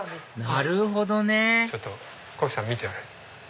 なるほどねちょっとこひさん見て。